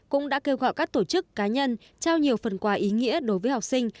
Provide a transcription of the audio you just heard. cũng đã kêu gọi các tổ chức cá nhân trao nhiều phần quà ý nghĩa đối với học sinh